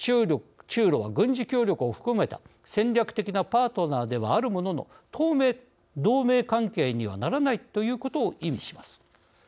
中ロは軍事協力を含めた戦略的なパートナーではあるものの当面、同盟関係にはならないということを意味します。